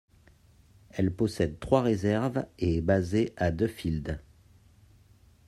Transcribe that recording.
Elle possède trois réserves et est basée à Duffield.